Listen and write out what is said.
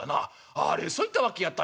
「あれそういったわけやったんですね。